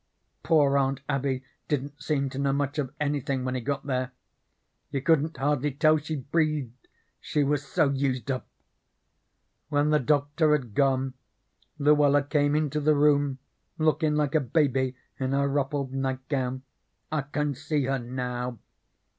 Poor Aunt Abby didn't seem to know much of anythin' when he got there. You couldn't hardly tell she breathed, she was so used up. When the doctor had gone, Luella came into the room lookin' like a baby in her ruffled nightgown. I can see her now.